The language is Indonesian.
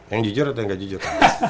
yang jujur atau yang gak jujur